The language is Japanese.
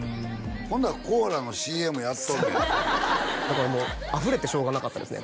ほんならコーラのＣＭやっとんねんだからもうあふれてしょうがなかったですね